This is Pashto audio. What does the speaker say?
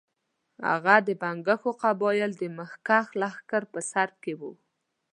هغه د بنګښو قبایلو د مخکښ لښکر په سر کې وو.